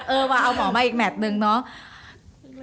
เออมาเอาหมอมาอีกแมทนึงเนาะ